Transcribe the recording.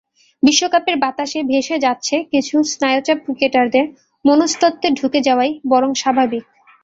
বিশ্বকাপের বাতাসে ভেসে কিছু স্নায়ুচাপ ক্রিকেটারদের মনস্তত্ত্বে ঢুকে যাওয়াই বরং স্বাভাবিক।